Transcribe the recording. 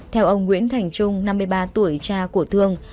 theo ông nguyễn thành trung năm mươi ba tuổi cha của thương